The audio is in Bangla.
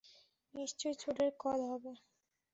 নিশ্চয়ই জুডের কল হবে।